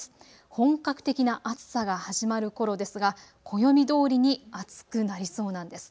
本格的な暑さが始まるころですが暦どおりに暑くなりそうなんです。